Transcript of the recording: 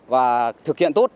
và thực hiện tốt